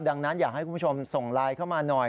ดังนั้นอยากให้คุณผู้ชมส่งไลน์เข้ามาหน่อย